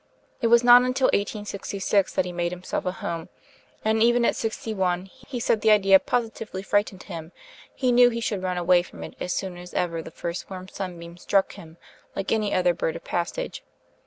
It was not until 1866 that he made himself a home; and even at sixty one he said the idea 'positively frightened him he knew he should run away from it as soon as ever the first warm sunbeam struck him, like any other bird of passage.'